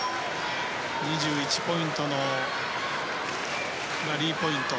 ２１ポイントのラリーポイント。